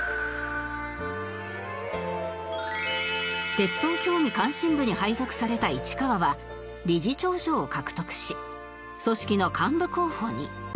鉄道興味関心部に配属された市川は理事長賞を獲得し組織の幹部候補に